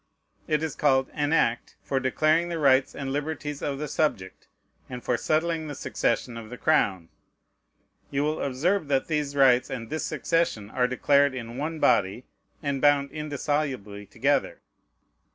It is called "An act for declaring the rights and liberties of the subject, and for settling the succession of the crown." You will observe that these rights and this succession are declared in one body, and bound indissolubly together.